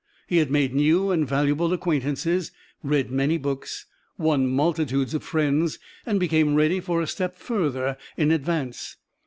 He had made new and valuable acquaintances, read many books, won multitudes of friends, and become ready for a step further in advance.